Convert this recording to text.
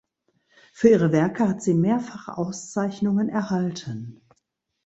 Für ihre Werke hat sie mehrfach Auszeichnungen erhalten.